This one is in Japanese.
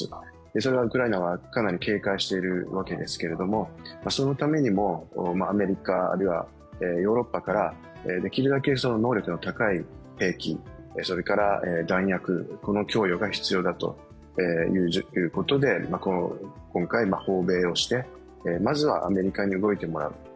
それはウクライナはかなり警戒しているわけですが、そのためにもアメリカではヨーロッパからできるだけ能力の高い兵器、それから弾薬、この供与が必要だということで今回訪米して、まずはアメリカに動いてもらう。